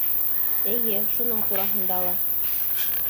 Эйе, шуның тураһында ла.